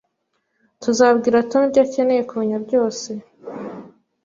Tuzabwira Tom ibyo akeneye kumenya byose